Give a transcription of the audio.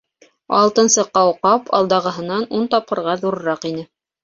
Алтынсы ҡауҡаб алдағыһынан ун тапҡырға ҙурыраҡ ине.